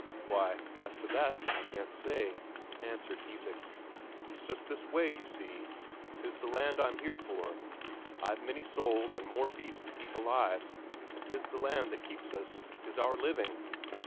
"Why, as to that, I can't say," answered Isak. "It's just this way, you see 'tis the land I'm here for. I've many souls and more beasts to keep alive and 'tis the land that keeps us. 'Tis our living."